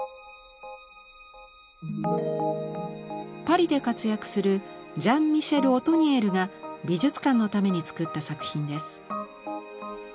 パリで活躍するジャン＝ミシェル・オトニエルが美術館のために作った作品です。